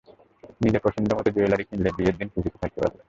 নিজের পছন্দমতো জুয়েলারি কিনলে, বিয়ের দিনে খুশিতে থাকতে পারবে।